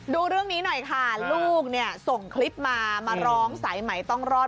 ดูเรื่องนี้หน่อยค่ะลูกเนี่ยส่งคลิปมามาร้องสายใหม่ต้องรอด